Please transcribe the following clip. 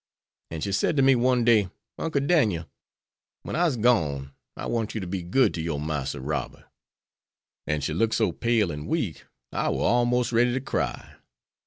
And she said to me one day, 'Uncle Dan'el, when I'se gone, I want you to be good to your Marster Robert.' An' she looked so pale and weak I war almost ready to cry.